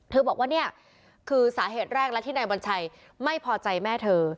บอกว่าเนี่ยคือสาเหตุแรกแล้วที่นายวัญชัยไม่พอใจแม่เธอ